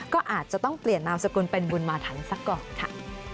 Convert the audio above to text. ก็อาจจะต้องเปลี่ยนนามสกุลเป็นบุญมาทันซะก่อนค่ะ